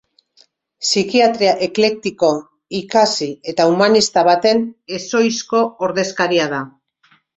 Psikiatria eklektiko, ikasi eta humanista baten ezohizko ordezkaria da.